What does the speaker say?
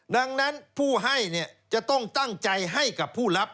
ดังนั้นผู้ให้จะต้องตั้งใจให้กับผู้รับ